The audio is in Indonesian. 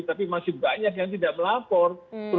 tapi masih banyak yang tidak melapor